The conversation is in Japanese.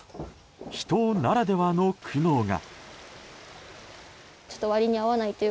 秘湯ならではの苦悩が。